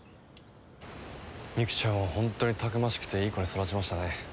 未玖ちゃんは本当にたくましくていい子に育ちましたね。